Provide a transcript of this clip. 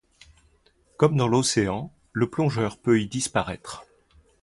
Comme dans l'océan, le plongeur peut y disparaître.